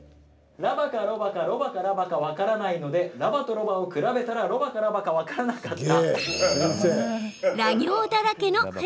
ラバかロバかロバかラバか分からないのでラバとロバを比べたらロバかラバか分からなかった。